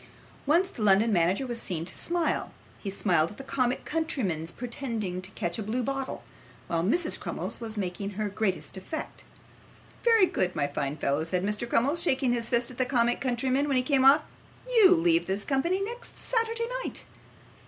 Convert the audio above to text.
Once the London manager was seen to smile he smiled at the comic countryman's pretending to catch a blue bottle, while Mrs Crummles was making her greatest effect. 'Very good, my fine fellow,' said Mr. Crummles, shaking his fist at the comic countryman when he came off, 'you leave this company next Saturday night.